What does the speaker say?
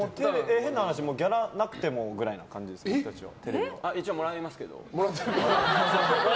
変な話ギャラなくてもみたいなあ、一応もらいますけど。